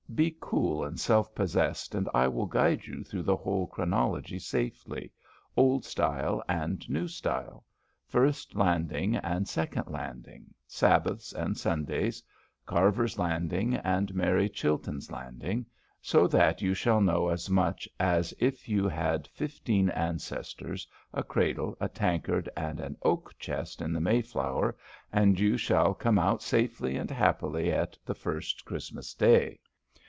Be cool and self possessed, and I will guide you through the whole chronology safely Old Style and New Style, first landing and second landing, Sabbaths and Sundays, Carver's landing and Mary Chilton's landing, so that you shall know as much as if you had fifteen ancestors, a cradle, a tankard, and an oak chest in the Mayflower, and you shall come out safely and happily at the first Christmas day.